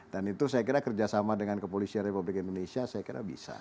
dan itu saya kira kerjasama dengan kepolisian republik indonesia saya kira bisa